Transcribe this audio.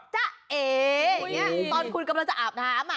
ตอนคุณกำลังจะอาบน้ำ